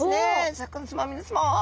シャーク香音さま皆さま。